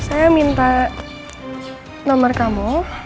saya minta nomer kamu